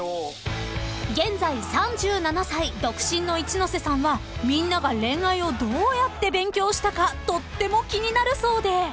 ［現在３７歳独身の一ノ瀬さんはみんなが恋愛をどうやって勉強したかとっても気になるそうで］